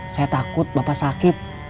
saya takut bapak sakit